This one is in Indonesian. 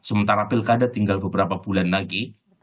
sementara pilkada tinggal beberapa bulan lagi